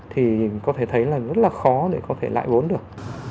thì có thể thấy là rất là khó để có thể lại vốn được